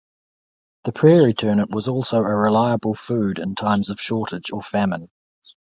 The prairie turnip was also a reliable food in times of shortage or famine.